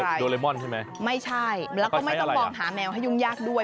โดเรมอนใช่ไหมไม่ใช่แล้วก็ไม่ต้องมองหาแมวให้ยุ่งยากด้วย